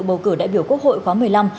bầu cử đại biểu quốc hội khóa một mươi năm